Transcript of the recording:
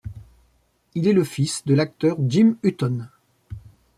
Il est le fils de l'acteur Jim Hutton.